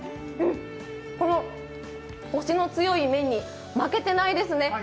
このコシの強い麺に負けてないです。